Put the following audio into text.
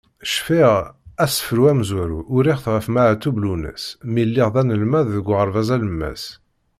Cfiɣ, asefru amezwaru, uriɣ-t ɣef Meɛtub Lwennas mi lliɣ d anelmad deg uɣerbaz alemmas.